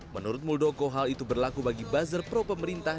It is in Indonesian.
menurut muldoko hal itu berlaku bagi buzzer pro pemerintah